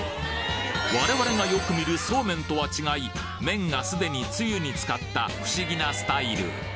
我々がよく見るそうめんとは違い麺がすでにつゆに浸かった不思議なスタイル